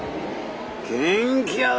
元気やね！